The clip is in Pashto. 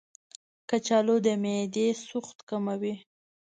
کچالو د معدې سوخت کموي.